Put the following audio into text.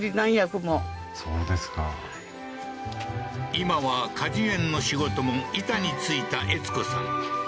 今は果樹園の仕事も板についた悦子さん